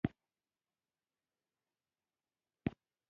کمپنۍ ته خبر ورسېد چې ابدالي خپل وطن ته روان دی.